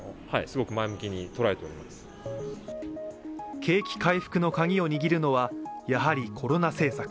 景気回復のカギを握るのはやはりコロナ政策。